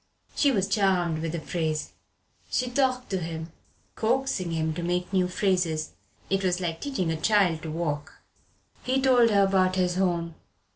She was charmed with the phrase. She talked to him, coaxing him to make new phrases. It was like teaching a child to walk. He told her about his home.